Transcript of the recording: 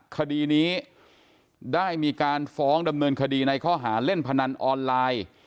คดีนี้ได้มีการฟ้องดำเนินคดีในข้อหาเล่นพนันออนไลน์